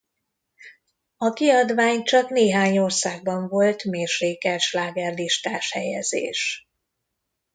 A kiadvány csak néhány országban volt mérsékelt slágerlistás helyezés.